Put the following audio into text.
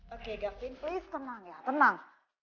oke gavin place tenang ya tenang